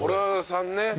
寅さんね。